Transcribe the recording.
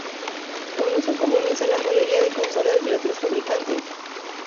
Unos son comunes a la mayoría de consolas de otros fabricantes.